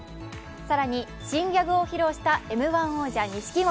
更に新ギャグを披露したＭ−１王者、錦鯉。